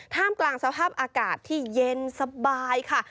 กลางสภาพอากาศที่เย็นสบายค่ะ